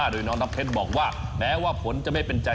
โดยน้องน้ำเพชรบอกว่าแม้ว่าผลจะไม่เป็นใจ